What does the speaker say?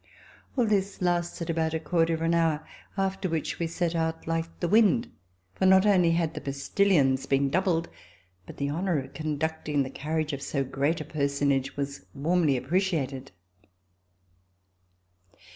All this lasted about a quarter of an hour, after which we set out like the wind, for not only had the postilions been doubled, but the honor of conducting the carriage of so great a personage was warmly appreciated.